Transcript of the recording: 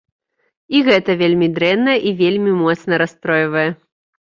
І гэта вельмі дрэнна і вельмі моцна расстройвае.